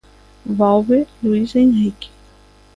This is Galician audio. Volve Luís Enrique.